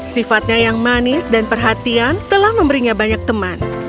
sifatnya yang manis dan perhatian telah memberinya banyak teman